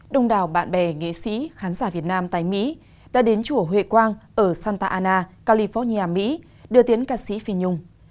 đông đảo bạn bè nghệ sĩ khán giả việt nam tại mỹ đã đến chùa huệ quang ở santa anna california mỹ đưa tiến ca sĩ phi nhung